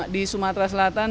di sumatera selatan